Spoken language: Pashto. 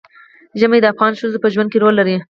ژمی د افغان ښځو په ژوند کې رول لري.